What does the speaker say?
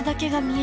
え？